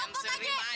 anggur gini buah